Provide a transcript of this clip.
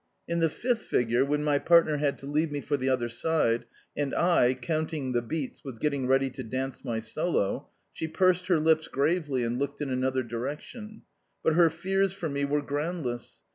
In the fifth figure, when my partner had to leave me for the other side and I, counting the beats, was getting ready to dance my solo, she pursed her lips gravely and looked in another direction; but her fears for me were groundless.